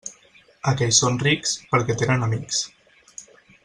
Aquells són rics, perquè tenen amics.